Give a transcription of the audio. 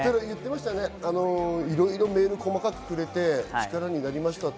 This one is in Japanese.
いろいろメール細かくくれて力になりましたって。